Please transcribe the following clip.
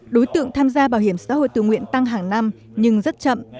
đối tượng tham gia bảo hiểm xã hội tự nguyện tăng hàng năm nhưng rất chậm